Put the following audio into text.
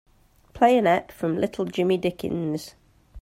Play an ep from Little Jimmy Dickens.